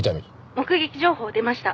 「目撃情報出ました。